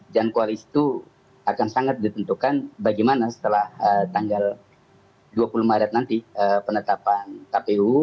dan koalisi itu akan sangat ditentukan bagaimana setelah tanggal dua puluh maret nanti penetapan kpu